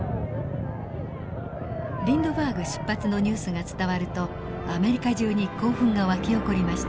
リンドバーグ出発のニュースが伝わるとアメリカ中に興奮が沸き起こりました。